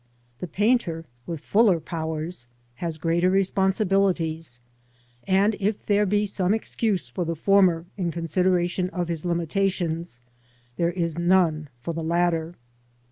The painter with fuller powers has greater responsibilities, and if there be some excuse for the former in consideration of his limitations, there is none for the latter.